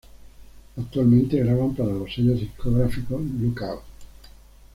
Actualmente graban para los sellos discográficos Lookout!